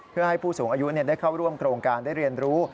เพื่อให้ผู้สูงอายุได้เข้าร่วมโครงการได้เรียนรู้